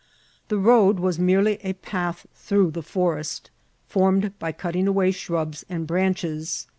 The foad was merely a path through the forest, formed by catting away shmba and branches.